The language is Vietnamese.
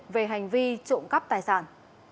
về hành vi trộm cắp tài sản